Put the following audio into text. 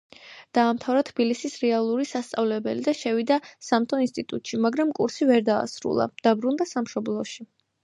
დაამთავრა თბილისის რეალური სასწავლებელი და შევიდა სამთო ინსტიტუტში, მაგრამ კურსი ვერ დაასრულა, დაბრუნდა სამშობლოში.